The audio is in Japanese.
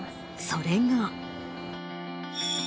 それが。